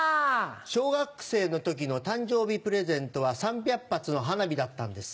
小学生の時の誕生日プレゼントは３００発の花火だったんです。